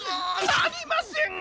なりません！